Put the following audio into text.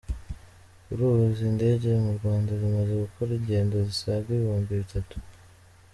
Kuri ubu izi ndege mu Rwanda zimaze gukora ingendo zisaga ibihumbi bitatu.